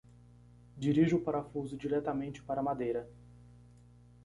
Dirija o parafuso diretamente para a madeira.